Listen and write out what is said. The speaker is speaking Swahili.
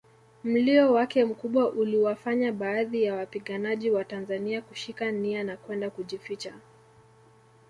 Mlio wake mkubwa uliwafanya baadhi ya wapiganaji watanzania kushika nia na kwenda kujificha